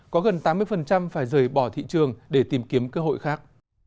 có gần tám mươi phải rời bỏ thị trường để tìm kiếm cơ hội khác